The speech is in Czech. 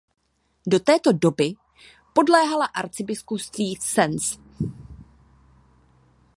Do této doby podléhala arcibiskupství v Sens.